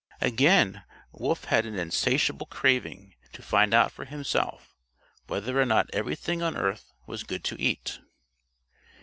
Again, Wolf had an insatiable craving to find out for himself whether or not everything on earth was good to eat.